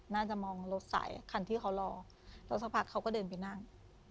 น่าจะมองรถสายคันที่เขารอแล้วสักพักเขาก็เดินไปนั่ง